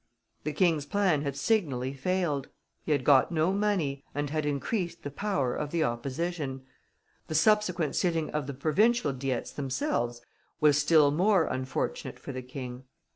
The King's plan had signally failed; he had got no money, and had increased the power of the opposition. The subsequent sitting of the Provincial Diets themselves was still more unfortunate for the King.